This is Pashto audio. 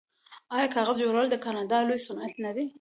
آیا کاغذ جوړول د کاناډا لوی صنعت نه دی؟